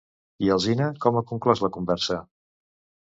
I Alsina com ha conclòs la conversa?